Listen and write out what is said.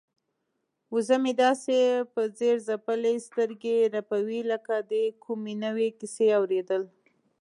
وزه مې داسې په ځیر خپلې سترګې رپوي لکه د کومې نوې کیسې اوریدل.